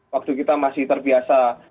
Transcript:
waktu kita masih terbiasa